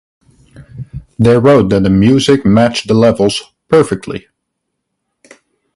They wrote that the music matched the levels "perfectly".